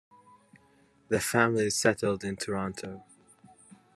The family settled in Toronto.